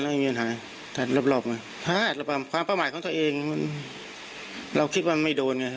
ก่อนที่ตัดได้จุดทูบบอกกล่าวอดีตท่านเจ้าวาดเนี่ย